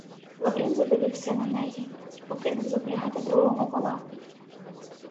Лаврін задивився на неї й покинув запрягати другого вола.